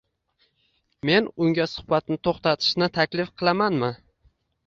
men unga suhbatni to‘xtatishni taklif qilamanmi?